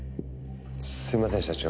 すいません社長。